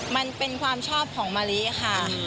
มันเป็นความชอบของมะลิค่ะ